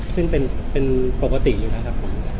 ซึ่งเป็นปกติอยู่นะครับ